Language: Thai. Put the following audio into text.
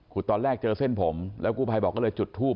ตอนแรกเจอเส้นผมแล้วกู้ภัยบอกก็เลยจุดทูบ